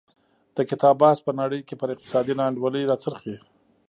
د کتاب بحث په نړۍ کې پر اقتصادي نا انډولۍ راڅرخي.